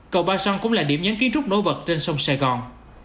cầu ba son cũng là điểm nhấn kiến trúc nổi bật trên sông sài gòn